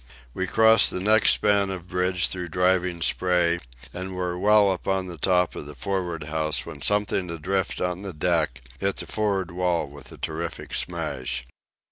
We crossed the next span of bridge through driving spray, and were well upon the top of the for'ard house when something adrift on the deck hit the for'ard wall a terrific smash.